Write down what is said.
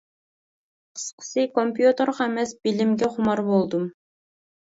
قىسقىسى كومپيۇتېرغا ئەمەس، بىلىمگە خۇمار بولدۇم.